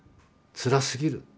つらすぎる。